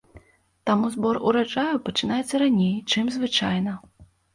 Таму збор ураджаю пачынаецца раней, чым звычайна.